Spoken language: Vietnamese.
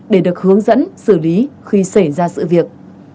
để được hướng dẫn xử lý khi xảy ra sự việc